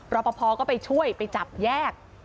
รับประพาก็ไปช่วยไปจับแยก